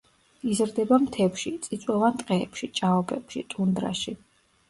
იზრდება მთებში, წიწვოვან ტყეებში, ჭაობებში, ტუნდრაში.